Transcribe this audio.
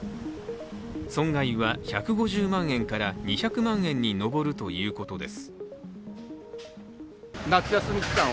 損害は１５０万円から２００万円に上るということです。